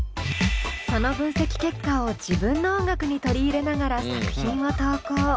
その分析結果を自分の音楽に取り入れながら作品を投稿。